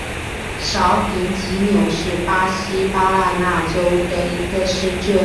绍平济纽是巴西巴拉那州的一个市镇。